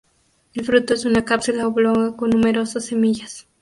El fruto es una cápsula oblonga con numerosas semillas.